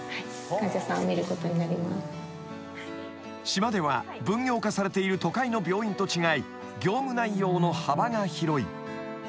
［島では分業化されている都会の病院と違い業務内容の幅が広い］